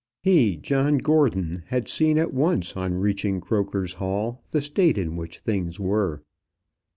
He, John Gordon, had seen at once on reaching Croker's Hall the state in which things were.